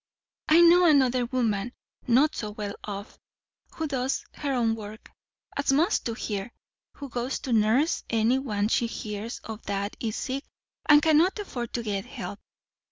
"I know another woman, not so well off, who does her own work, as most do here; who goes to nurse any one she hears of that is sick and cannot afford to get help.